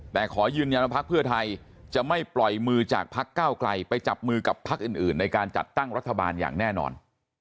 แต่ขอยืนยันว่าพักเพื่อไทยจะไม่ปล่อยมือจากพักเก้าไกลไปจับมือกับพักอื่นในการจัดตั้งรัฐบาลอย่างแน่นอน